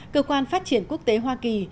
cơ quan phát triển quốc tế hoa kỳ